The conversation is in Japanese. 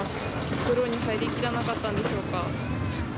袋に入りきらなかったんでしょうか。